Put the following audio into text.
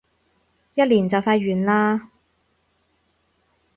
一年就快完嘞